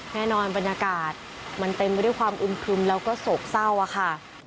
แน่นอนบรรยากาศมันเต็มไปด้วยความอึมครึมแล้วก็โศกเศร้าค่ะ